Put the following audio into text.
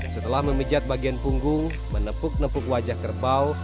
setelah memijat bagian punggung menepuk nepuk wajah kerbau